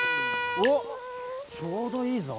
おっちょうどいいぞ。